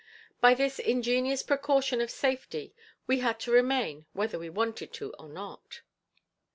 By this ingenious precaution of safety, we had to remain whether we wanted to or not.